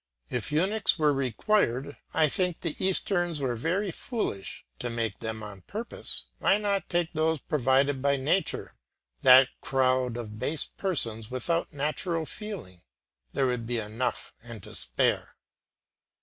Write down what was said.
If eunuchs were required I think the Easterns were very foolish to make them on purpose. Why not take those provided by nature, that crowd of base persons without natural feeling? There would be enough and to spare.